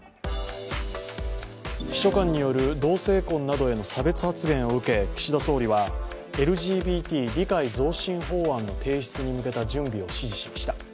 秘書官による同性婚などへの差別発言を受けて岸田総理はＬＧＢＴ理解増進法案の提出に向けた準備を指示しました。